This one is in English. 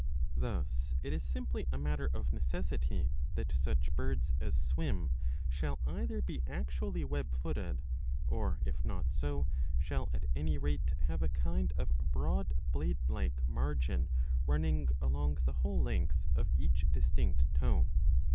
Thus it is simply a matter of necessity,'® that such birds as swim shall either be actually web footed, or, if not so, shall at any rate have a kind of broad blade like margin running along the whole length of each distinct toe.